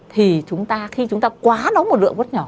thì khi chúng ta quá nó một lượng rất nhỏ